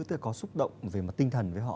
tức là có xúc động về mặt tinh thần với họ